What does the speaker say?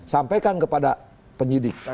sampaikan kepada penyidik